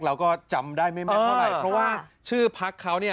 เราก็จำได้ไม่มากเท่าไหร่เพราะว่าชื่อพักเขาเนี่ย